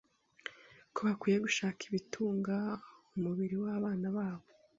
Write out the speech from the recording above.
ko bakwiye gushaka ibitunga umubiri w’abana babo